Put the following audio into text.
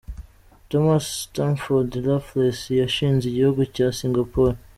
Thomas Stamford Raffles yashinze igihugu cya Singapore.